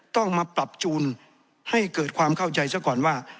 ต้องมาปรับจูนให้เกิดความเข้าใจซะก่อนว่า